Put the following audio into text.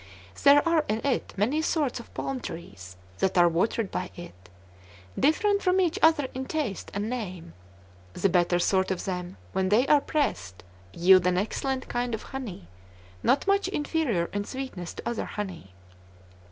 There are in it many sorts of palm trees that are watered by it, different from each other in taste and name; the better sort of them, when they are pressed, yield an excellent kind of honey, not much inferior in sweetness to other honey.